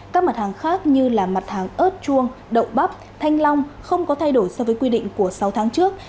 các mặt hàng khác như là mặt hàng ớt chuông đậu bắp thanh long không có thay đổi so với quy định của sáu tháng trước